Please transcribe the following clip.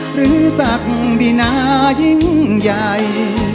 หรือสักดินายิ่งใหญ่